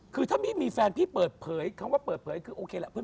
คือถ้าพี่มีแฟนพี่เปิดเผยคำว่าเปิดเผยคือโอเคแหละ